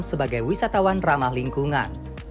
sebagai wisatawan ramah lingkungan